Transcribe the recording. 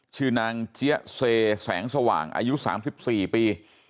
ชื่อนางเจี๊ยะเซแสงสว่างอายุ๓๔ปี